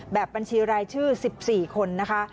แบบบัญชีรายชื่อ๑๔คนนะคะ